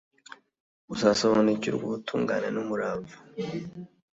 uzasobanukirwa ubutungane n'umurava